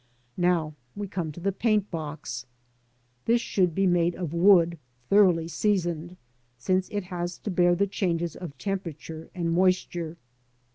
Now we come to the paint box. This should be made of wood, thoroughly seasoned, since it has to bear the changes of temperature and moisture.